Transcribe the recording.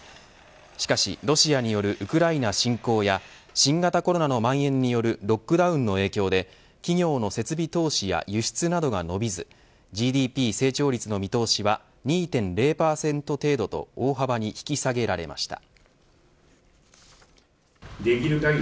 しかし、ロシアによるウクライナ侵攻や新型コロナのまん延によるロックダウンの影響で企業の設備投資や輸出などが伸びずＧＤＰ成長率の見通しは２．０％程度と大幅に引き下げられました。